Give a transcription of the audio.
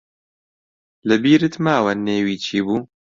لەبیرت ماوە نێوی چی بوو؟